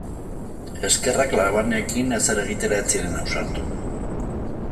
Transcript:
Eskerrak labanekin ezer egitera ez ziren ausartu.